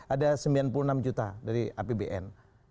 ada sembilan puluh enam juta dari apbn